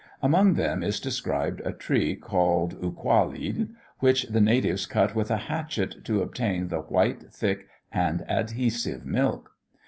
Among them is described a tree called ulquahuill, which the natives cut with a hatchet, to obtain the white, thick, and adhesive milk.